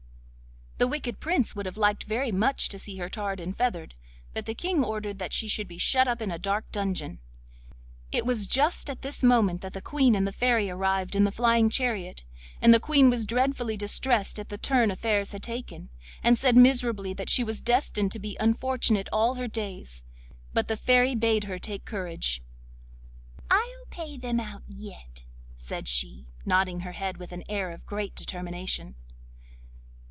The wicked Prince would have liked very much to see her tarred and feathered, but the King ordered that she should be shut up in a dark dungeon. It was just at this moment that the Queen and the Fairy arrived in the flying chariot, and the Queen was dreadfully distressed at the turn affairs had taken, and said miserably that she was destined to be unfortunate all her days. But the Fairy bade her take courage. 'I'll pay them out yet,' said she, nodding her head with an air of great determination.